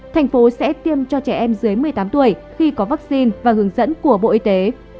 thành phố sẽ tiêm cho trẻ em dưới một mươi tám tuổi khi có vaccine và hướng dẫn của bộ y tế